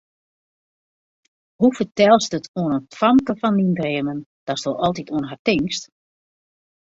Hoe fertelst it oan it famke fan dyn dreamen, datst altyd oan har tinkst?